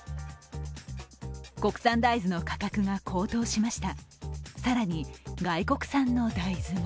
国産大豆の価格が高騰しました。